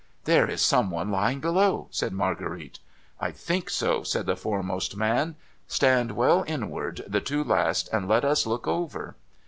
' There is some one lying below,' said Marguerite. ' I think so,' said the foremost man. * Stand well inward, the two last, and let us look over.'